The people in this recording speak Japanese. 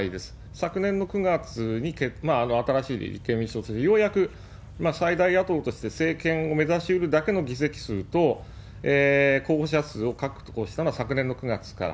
昨年の９月に新しい立憲民主党という、ようやく最大野党として政権を目指しうるだけの議席数と、候補者数を確保したのが昨年の９月から。